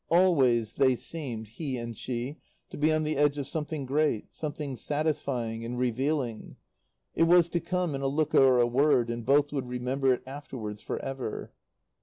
Always they seemed, he and she, to be on the edge of something great, something satisfying and revealing. It was to come in a look or a word; and both would remember it afterwards for ever.